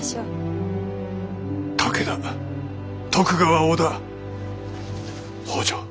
武田徳川織田北条